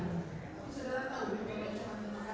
mungkin dengan pemerintah